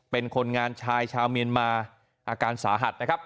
เป็นคนงานชายชาวเมียนมาอาการสาหัสนะครับ